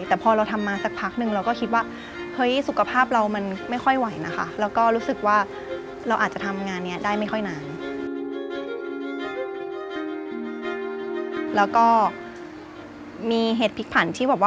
แต่พอเราทำมาสักพอดีเราก็คิดว่า